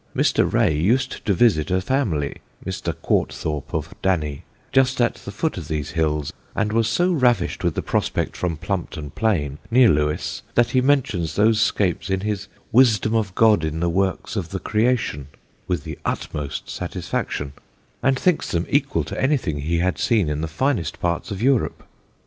Mr. Ray used to visit a family [Mr. Courthope, of Danny] just at the foot of these hills, and was so ravished with the prospect from Plumpton Plain, near Lewes, that he mentions those scapes in his Wisdom of God in the Works of the Creation with the utmost satisfaction, and thinks them equal to anything he had seen in the finest parts of Europe.